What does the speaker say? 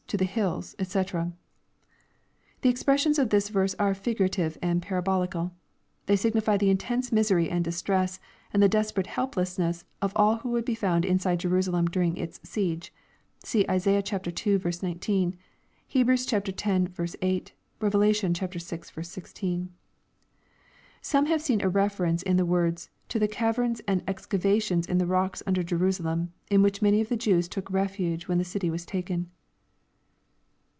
to the hiUs, <j&c.] The expressions of tliis verpe are figurative and parabolicall They signify the intense misery and distress, and the desperate helplessness of all who would be found inside Jerusalem during its siege. See Isai. iL 19. Heb. X. 8. Rev. vi 16. Some have seen a reference in the words to the caverns and ex cavations in the rocks under Jerusalem, in which many of the Jews look refuge when the city was taken.